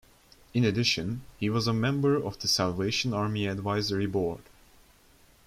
In addition, he was a member of the Salvation Army Advisory Board.